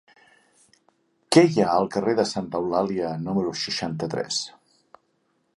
Què hi ha al carrer de Santa Eulàlia número seixanta-tres?